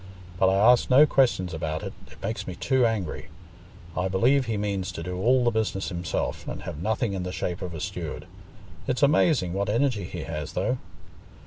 But I ask no questions about it—it makes me too angry. I believe he means to do all the business himself, and have nothing in the shape of a steward. It's amazing what energy he has, though."